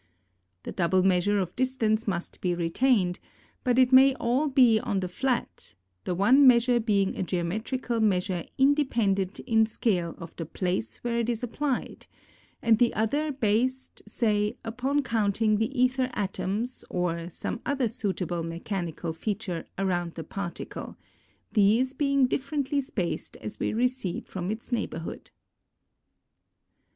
The double measure of distance must be retained, but it may all be on the flat, the one measure being a geometrical measure independent in scale of the place where it is applied, and the other based, say, upon counting the aether atoms or some other suitable mechanical feature around the particle, these being differently spaced as we recede from its neighbourhood.